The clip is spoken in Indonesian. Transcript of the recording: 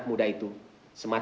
kamu berada di rumah